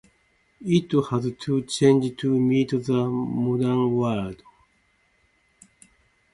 It has to change to meet the modern world.